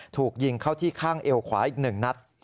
ถูกยิงเข้าที่ข้างเอวขวาอีก๑นัด